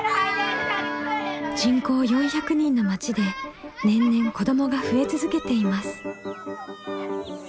人口４００人の町で年々子どもが増え続けています。